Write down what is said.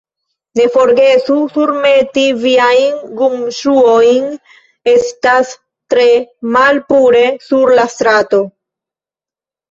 Ne forgesu surmeti viajn gumŝuojn; estas tre malpure sur la strato.